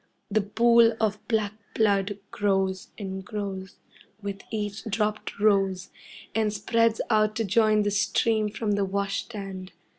The pool of black blood grows and grows, with each dropped rose, and spreads out to join the stream from the wash stand.